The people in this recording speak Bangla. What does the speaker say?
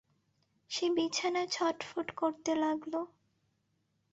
সে বিছানায় ছটফট করতে লাগল।